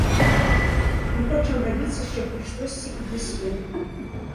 Мы хочам рабіць яшчэ хоць штосьці і для свету.